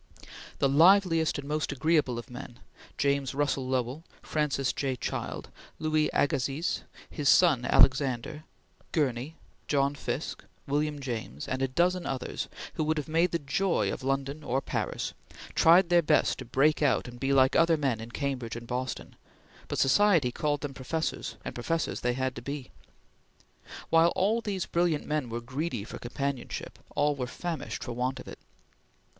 The liveliest and most agreeable of men James Russell Lowell, Francis J. Child, Louis Agassiz, his son Alexander, Gurney, John Fiske, William James and a dozen others, who would have made the joy of London or Paris tried their best to break out and be like other men in Cambridge and Boston, but society called them professors, and professors they had to be. While all these brilliant men were greedy for companionship, all were famished for want of it.